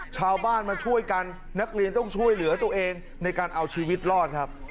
ชาวบ้านมาช่วยกันนักเรียนต้องช่วยเหลือตัวเองในการเอาชีวิตรอดครับ